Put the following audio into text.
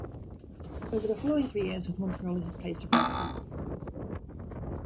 Over the following three years, with Montreal as his place of residence.